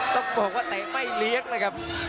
ต้องบอกว่าเตะไม่เลี้ยงเลยครับ